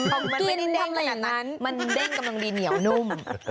ของกินทำอะไรอย่างนั้นมันเด้งกำลังดีเหนียวนุ่ม